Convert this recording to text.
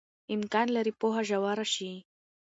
امکان لري پوهه ژوره شي.